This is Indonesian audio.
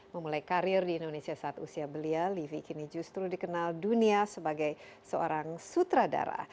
memulai karir di indonesia saat usia belia livi kini justru dikenal dunia sebagai seorang sutradara